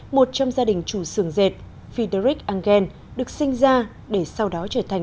một trong gia đình trù sường dệt friedrich engel được sinh ra để sau đó trở thành